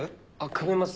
組めます。